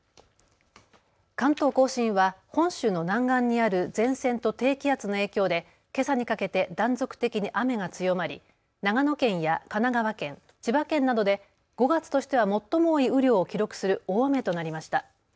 関東甲信は本州の南岸にある前線と低気圧の影響でけさにかけて断続的に雨が強まり長野県や神奈川県、千葉県などで５月としては最も多い雨量を記録する大雨となりました。